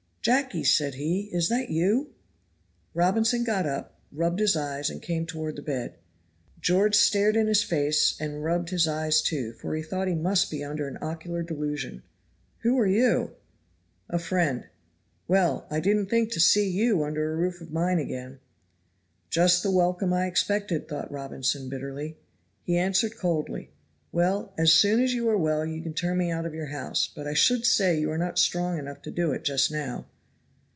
"Jacky," said he, "is that you?" Robinson got up, rubbed his eyes, and came toward the bed. George stared in his face and rubbed his eyes, too, for he thought he must be under an ocular delusion. "Who are you?" "A friend." "Well! I didn't think to see you under a roof of mine again." "Just the welcome I expected," thought Robinson bitterly. He answered coldly: "Well, as soon as you are well you can turn me out of your house, but I should say you are not strong enough to do it just now."